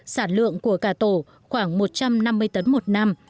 sản lượng của cả tổ khoảng một trăm năm mươi tấn một năm